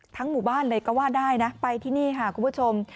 หมู่บ้านเลยก็ว่าได้นะไปที่นี่ค่ะคุณผู้ชม